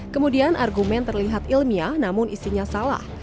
kemudian argumen terlihat ilmiah namun isinya salah